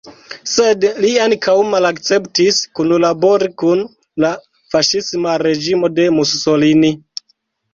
Sed li ankaŭ malakceptis kunlabori kun la faŝisma reĝimo de Mussolini.